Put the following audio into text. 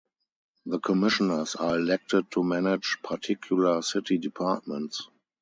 The commissioners are elected to manage particular city departments.